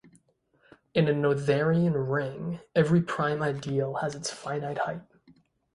In a Noetherian ring, every prime ideal has finite height.